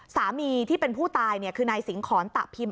สามีที่เป็นผู้ตายคือนายสิงหอนตะพิม